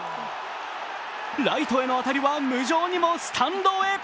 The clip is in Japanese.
ライトへの当たりは無情にもスタンドへ。